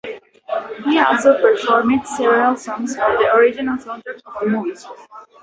He also performed several songs for the original soundtrack of the movie.